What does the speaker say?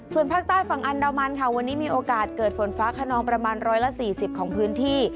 ส่วนภาคใต้ฝั่งอันดามันค่ะวันนี้มีโอกาสเกิดฝนฟ้าขนองประมาณ๑๔๐ของพื้นที่